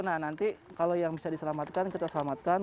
jadi kalau yang bisa diselamatkan kita selamatkan